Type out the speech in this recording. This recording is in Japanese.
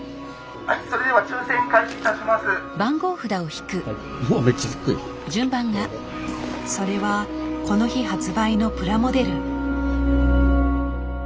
はいそれではそれはこの日発売のプラモデル。